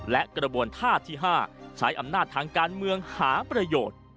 และกระบวนท่าที่๕ใช้อำนาจทางการเมืองหาประโยชน์